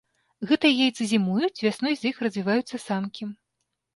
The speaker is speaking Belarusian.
Гэтыя яйцы зімуюць, вясной з іх развіваюцца самкі.